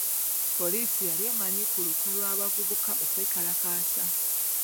Poliisi yali emanyi ku lukwe lw'abavubuka okwekalakaasa.